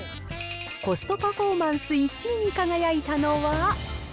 コストパフォーマンス１位に輝いたのは。